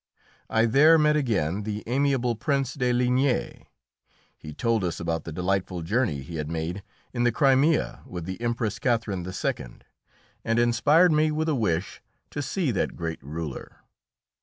I there met again the amiable Prince de Ligne; he told us about the delightful journey he had made in the Crimea with the Empress Catherine II., and inspired me with a wish to see that great ruler.